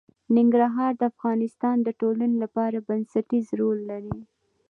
ننګرهار د افغانستان د ټولنې لپاره بنسټيز رول لري.